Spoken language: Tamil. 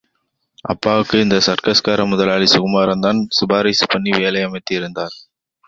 அப்பாவுக்கு இந்த சர்க்கஸ்கார முதலாளி சுகுமாரன்தான் சிபாரிசு பண்ணி வேலையில் அமர்த்தினார்.